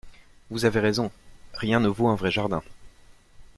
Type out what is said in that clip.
Vous avez raison, rien ne vaut un vrai jardin.